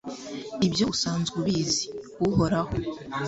ibyo usanzwe ubizi, uhoraho